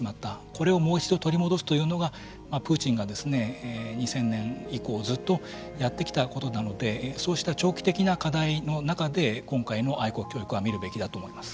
これをもう一度取り戻すというのがプーチンが２０００年以降ずっとやってきたことなのでそうした長期的な課題の中で今回の愛国教育は見るべきだと思います。